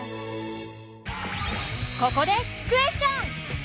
ここでクエスチョン！